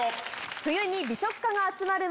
「冬に美食家が集まる町」。